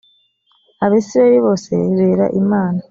abisirayeli bose bera imana.